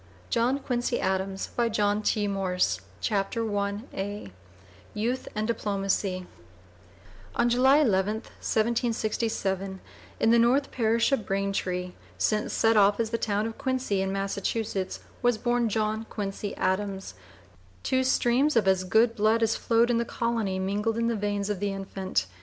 JOHN QUINCY ADAMS (p. 001) CHAPTER I YOUTH AND DIPLOMACY On July 11, 1767, in the North Parish of Braintree, since set off as the town of Quincy, in Massachusetts, was born John Quincy Adams. Two streams of as good blood as flowed in the colony mingled in the veins of the infant.